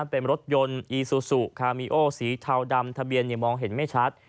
เป็นรถยนต์อีซูซูคามีโอสีเทาดำทะเบียนมองเห็นไม่ชัด